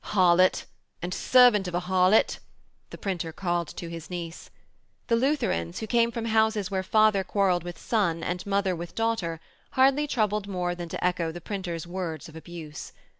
'Harlot and servant of a harlot,' the printer called to his niece. The Lutherans, who came from houses where father quarrelled with son and mother with daughter, hardly troubled more than to echo the printer's words of abuse.